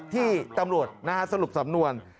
ที่ตำรวจสรุปสำนวน